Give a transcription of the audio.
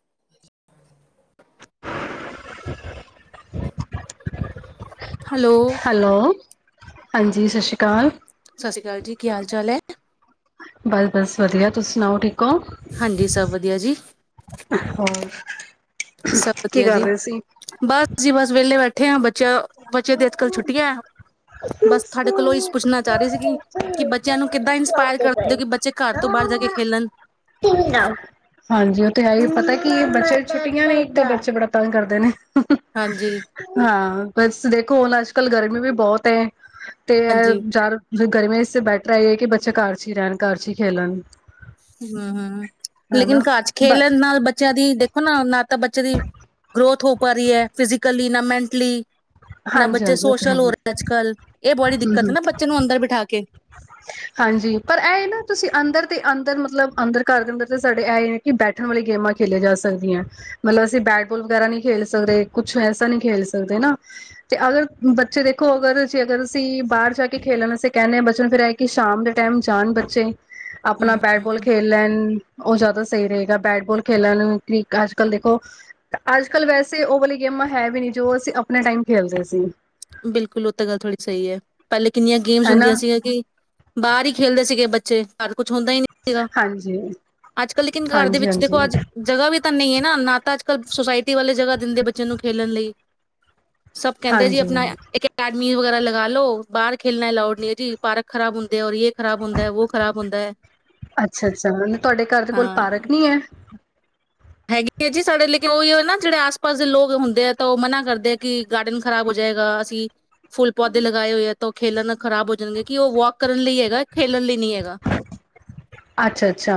[inaudible] [unintelligible] Hello hello ਹਾਂਜੀ ਸਤਿ ਸ਼੍ਰੀ ਅਕਾਲ ਸਤਿ ਸ੍ਰੀ ਅਕਾਲ ਜੀ ਕੀ ਹਾਲ ਚਾਲ ਏ? ਬਸ-ਬਸ ਵਧੀਆ ਤੁਸੀਂ ਸੁਣਾਓ ਠੀਕ ਹੋ! ਹਾਂਜੀ ਸਭ ਵਧੀਆ ਜੀ। ਹੋਰ ਸਬ ਕੀ ਵਧੀਆ ਕਰ ਜੀ ਰਹੇ ਸੀ ਬਸ ਜੀ ਬਸ ਵਿਹਲੇ ਬੈਠੇ ਨੇ ਹਾਂ ਬਸ ਤੁਹਾਡੇ ਕੋਲੋਂ ਇਸ ਪੁੱਛਣਾ ਚਾਹ ਰਹੀ ਸੀਗੀ। ਕਿ ਬੱਚਿਆਂ ਨੂੰ ਕਿੱਦਾਂ ਇੰਸਪਾਇਰ ਕਰਦੇ ਹੋ ਕਿ ਬੱਚੇ ਘਰ ਤੋਂ ਬਾਹਰ ਜਾ ਕੇ ਖੇਲਣ। ਹਾਂਜੀ ਉਹ ਤੇ ਹੈ ਪਤਾ ਕੀ ਬੱਚੇ ਛੁੱਟੀਆਂ ਨੇ ਤਾਂ ਬੱਚੇ ਬੜਾ ਤੰਗ ਕਰਦੇ ਨੇ- ਹਾਂਜੀ। ਹਾਂ ਬਸ ਦੇਖੋ ਹੁਣ ਅੱਜ- ਕੱਲ੍ਹ ਗਰਮੀ ਵੀ ਬਹੁਤ ਏ ਤੇ ਹਾਂਜੀ, ਚਾਰ ਗਰਮੀ ਇਸੇ ਬੈਟਰ ਹੈ ਹੈ ਕਿ ਬੱਚਾ ਕਾਰਰ ' ਹੀ ਰਹਿਣ ਕਾਰਰ 'ਚ ਹੀ ਖੇਲਣ। ਹੂ-ਹੂੰ ਲੇਕਿਨ ਹਨਾ ਘਰ ਚ ਖੇਲਣ ਨਾਲ ਬੱਚਿਆਂ ਦੀ ਦੇਖੋ ਨਾ ਨਾ ਤਾਂ ਬੱਚੇ ਦੀ ਗਰੋਥ ਹੋ ਪਾ ਰਹੀ ਹੈ ਫਿਜ਼ਕਲੀ ਨਾ ਮੈਂਟਲੀ ਨਾ ਹਾਂਜੀ ਬੱਚੇ -ਹਾਂਜੀ ਉਹ ਤਾਂ ਸੋਸ਼ਲ ਹੋ ਰਹੇ ਅੱਜ ਹੈ ਕੱਲ। ਇਹ ਬੜੀ ਦਿੱਕਤ ਹਮ ਹੈ ਹ ਨਾ ਬੱਚੇ ਨੂੰ ਅੰਦਰ ਬਿਠਾ ਕੇ, ਹਾਂਜੀ ਪਰ ਇਹ ਨਾ ਤੁਸੀਂ ਅੰਦਰ ਤੇ ਅੰਦਰ ਮਤਲਬ ਅੰਦਰ ਘਰ ਦੇ ਅੰਦਰ ਤੇ ਸਾਡੇ ਇਹ ਹੈ ਕਿ ਬੈਠਣ ਵਾਲੀ ਗੇਮਾਂ ਖੇਲੀਆਂ ਜਾ ਸਕਦੀਆਂ ਮਤਲਬ ਅਸੀਂ ਬੈਟਬੋਲ ਵਗੈਰਾ ਨਹੀਂੀ ਖੇਲ ਸਕਦੇ ਕੁੱਛ ਐਸਾ ਨਹੀਂ ਖੇਲ ਸਕਦੇ ਨਾ। ਤੇ ਅਗਰ ਬੱਚੇ ਦੇਖੋ ਅਗਰ ਜੇ ਅਗਰ ਅਸੀਂ ਬਾਹਰ ਜਾ ਕੇ ਖੇਲਣ ਅਸੀਂ ਕਹਿਿੰਦੇ ਹ ਬੱਚਿਆਂ ਨੂੰ ਫਿਰ ਆ ਕਿ ਸ਼ਾਮ ਦੇ ਟਾਈਮ ਜਾਣ ਬੱਚੇ ਆਪਣਾ ਹੂੰ ਬੈਟ ਬੋਲ। ਖੇਲ ਲੈਣ ਉਹ ਜ਼ਿਆਦਾ ਸਹੀ ਰਹੇਗਾ ਬੈਟਬਾਲ ਖੇਲਣ ਕ੍ਰਿਕ ਅੱਜ ਕੱਲ ਦੇਖੋ ਅੱਜ ਕੱਲ ਵੈਸੇ ਉਹ ਵਾਲੀ ਗੇਮਾਂ ਹੈ ਵੀ ਨੀ ਜੋ ਅਸੀਂ ਆਪਣੇ ਟਾਈਮ ਖੇਲਦੇ ਸੀ। ਬਿਲਕੁਲ ਉਹ ਤਾਂ ਗੱਲ ਥੋੜ੍ਹੀ ਸਹੀ ਹੈ। ਪਹਿਲੇ ਕਿੰਨੀਆਂ ਗੇਮਸ ਹਨਾ ਹੁੰਦੀਆਂ ਸੀਗੀਆਂ ਕਿ ਬਾਹਰ ਹੀ ਖੇਲਦੇ ਸੀਗੇ ਬੱਚੇ ਘ ਕੁਛ ਹੁੰਦਾ ਹੀ ਨਹੀਂ ਸੀਗਾ ਹਾਂਜੀ ਅੱਜ ਕੱਲ ਲੇਕਿਨ ਘਰ ਦੇ ਹਾਂਜੀ ਵਿੱਚ ਹਾਂਜੀ ਦੇਖੋ ਅੱਜ ਜਗ੍ਹਾ ਵੀ ਤਾਂ ਨਹੀਂ ਹੈ। ਨਾ ਤਾਂ ਅੱਜ ਕੱਲ੍ਹ ਸੁੋਸਾਇਟੀ ਵਾਲੇ ਜਗ੍ਹਾ ਦਿੰਦੇ ਬੱਚਿਆਂ ਨੂੰ ਖੇਲਣ ਲਈ ਸਭ ਕਹਿੰਦੇ ਜੀ ਆਪਣਾ ਹਾਂਜੀ ਇੱਕਕਾਡਮੀ। ਵਗੈਰਾ ਲਗਾ ਲੋ ਬਾਹਰ ਖੇਲਣਾ ਅਲਾਊਡ ਨੀ ਹੈ ਜੀ ਪਾਰਕ ਖਰਾਬ ਹੁੰਦੇ ਰ ਅੱਛਾ ਅੱਛਾ ਤੁਹਾਡੇ ਘਰ ਦੇ ਕੋਲ ਪਾਰਕ ਨੀ ਹੈ। ਹੈਗੇ ਆ ਜੀ ਸਾਡੇ ਲੇਕਿਨ ਉਹੀ ਨਾ ਜਿਹੜੇ ਆਸ ਪਾਸ ਦੇ ਲੋਕ ਹੁੰਦੇ ਆ ਤਾਂ ਉਹ ਮਨਾ ਕਰਦੇ ਆ ਕਿ ਗਾਰਡਨ ਖ਼ਰਾਬ ਹੋ ਜਾਏਗਾ ਅਸੀਂ ਫੁੱਲ ਪੌਦੇ ਲਗਾਏ ਹੋਏ ਆ ਤਾਂ ਉਹ ਖੇਲਣ ਖ਼ਰਾਬ ਹੋ ਜਾਣਗੇ ਕਿ ਉਹ ਵਾਕ ਕਰਨ ਲਈ ਹੈਗਾ ਖੇਲਣ ਲਈ ਨਹੀਂ ਹੈਗਾ ਅੱਛਾ ਅੱਛਾ।